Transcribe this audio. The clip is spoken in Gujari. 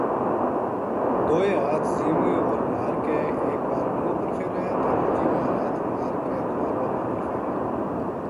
دوئے ہاتھ زمی اپر مار کے ایک وار منہ اپر فیرے تے دوجی وار ہتھ مار کے دواں باواں اپر فیرے۔